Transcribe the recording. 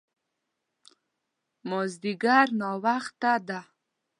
مازديګر ناوخته ده